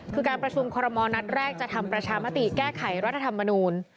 คือการประชุมคอรมอลนัดแรกจะทำประชามติแก้ไขรัฐธรรมนูล